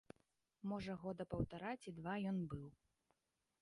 Можа, года паўтара ці два ён быў.